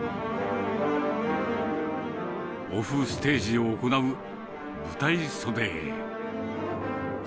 オフステージを行う舞台袖へ。